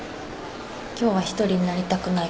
今日は一人になりたくないかも。